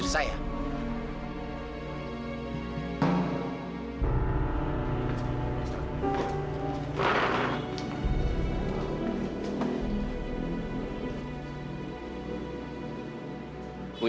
dari sebagian belakangnya